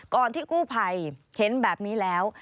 ก่อนที่คู่ภัยเห็นแบบนี้แล้ว